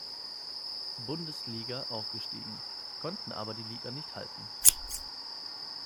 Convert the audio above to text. Bundesliga aufgestiegen, konnten aber die Liga nicht halten.